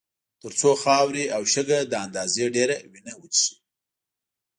تر څو خاورې او شګه له اندازې ډېره وینه وڅښي.